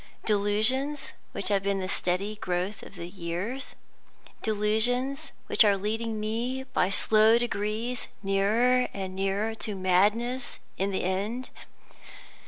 Delusions which have been the stealthy growth of years? delusions which are leading me, by slow degrees, nearer and nearer to madness in the end?